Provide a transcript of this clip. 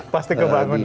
pasti kebangun ya